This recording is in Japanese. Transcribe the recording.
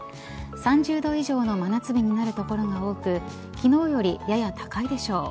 ３０度以上の真夏日になる所が多く昨日より、やや高いでしょう。